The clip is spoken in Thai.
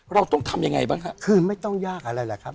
เราต้องทำยังไงบ้างครับคือไม่ต้องยากอะไรแหละครับ